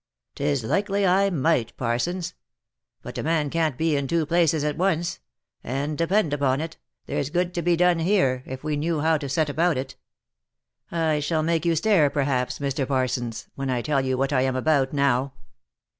" 'Tis likely I might, Parsons; but a man can't be in two places at once — and depend upon it, there's good to be done here, if we knew how to set about it. I shall make you stare, perhaps, Mr. Parsons, when I tell you what I am about now.